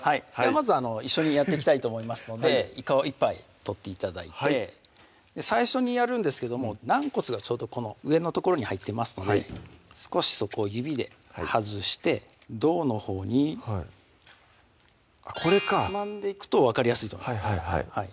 まず一緒にやっていきたいと思いますのでいかを１杯取って頂いてはい最初にやるんですけども軟骨がちょうどこの上の所に入ってますので少しそこを指で外して胴のほうにはいあっこれかつまんでいくと分かりやすいと思います